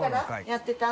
やってた。